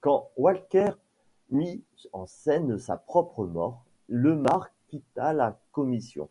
Quand Walker mit en scène sa propre mort, Lemar quitta la Commission.